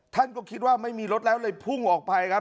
ท่านก็คิดว่าไม่มีรถแล้วเลยพุ่งออกไปครับ